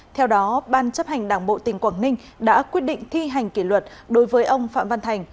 theo đó ban chấp hành đảng bộ tỉnh quảng ninh đã quyết định thi hành kỷ luật đối với ông phạm văn thành